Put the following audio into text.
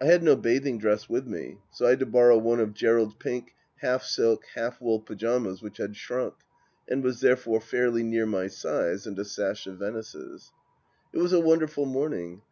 I had no bathing dress with me, so I had to borrow one of Gerald's pink, half silk, half wool pyjamas which had shrunk, and was therefore fairly near my size, and a sash of Venice's. It was a wonderful morning.